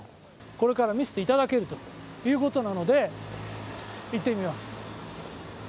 これから見せていただけるということなので行ってみます。